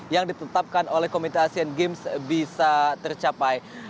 yang ditetapkan oleh komite asian games bisa tercapai